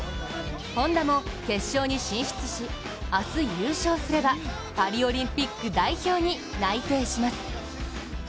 本多も決勝に進出し明日優勝すればパリオリンピック代表に内定します。